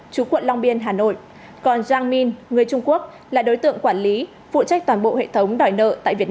chú quận long biên hà nội còn giang minh người trung quốc là đối tượng quản lý phụ trách toàn bộ hệ thống đòi nợ